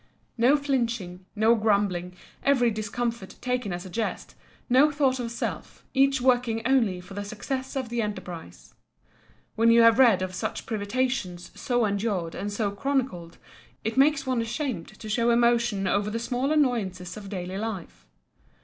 No flinching, no grumbling, every discomfort taken as a jest, no thought of self, each working only for the success of the enterprise. When you have read of such privations so endured and so chronicled, it makes one ashamed to show emotion over the small annoyances of daily life.